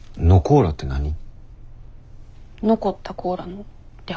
「残ったコーラ」の略。